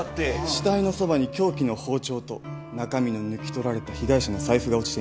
死体のそばに凶器の包丁と中身の抜き取られた被害者の財布が落ちていました。